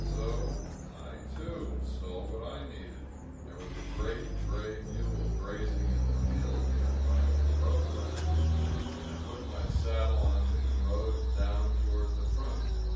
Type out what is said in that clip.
So I, too, stole what I needed. There was a great gray mule grazing in the field near by, with a rope around his neck. I put my saddle on him and rode down toward the front.